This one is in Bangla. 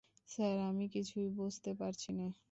স্যার, আমি কিছুই বুঝতে পারছি না।